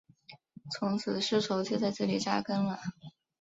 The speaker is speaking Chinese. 从此丝绸就在这里扎根了。